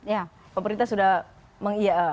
ya pemerintah sudah menuju tujuan